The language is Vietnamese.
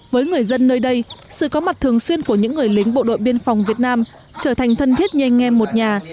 với người dân nơi đây sự có mặt thường xuyên của những người lính bộ đội biên phòng việt nam trở thành thân thiết nhanh nghe một nhà